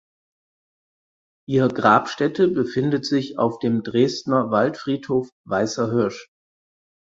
Ihr Grabstätte befindet sich auf dem Dresdener Waldfriedhof Weißer Hirsch.